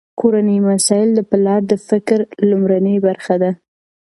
کورني مسایل د پلار د فکر لومړنۍ برخه ده.